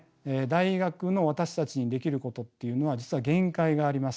大学の私たちにできることっていうのは実は限界があります。